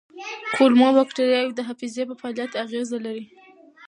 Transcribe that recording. کولمو بکتریاوې د حافظې په فعالیت اغېز لري.